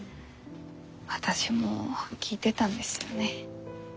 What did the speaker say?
私も聴いてたんですよね。